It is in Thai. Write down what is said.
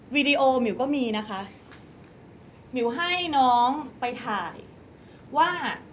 วีดีโอมิวก็มีนะคะมิวให้น้องไปถ่ายว่า